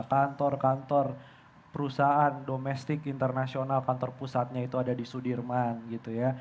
kantor kantor perusahaan domestik internasional kantor pusatnya itu ada di sudirman gitu ya